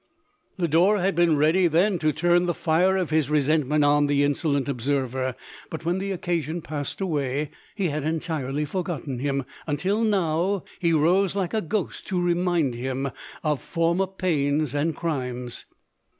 Lodore had been ready then to turn the fire of his resentment on the insolent observer; but when the occasion passed away he had entirely forgotten him, till now lie rose like a ghost to remind him of for mer pains and crimes.